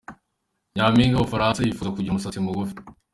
Nyampinga w’u Bufaransa yifuza kugira umusatsi mugufi